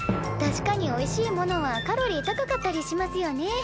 たしかにおいしいものはカロリー高かったりしますよね。